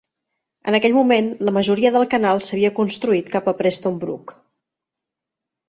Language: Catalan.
En aquell moment, la majoria del canal s'havia construït cap a Preston Brook.